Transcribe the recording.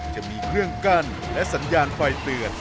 จะมีเครื่องกั้นและสัญญาณไฟเตือน